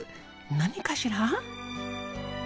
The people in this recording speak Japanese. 何かしら？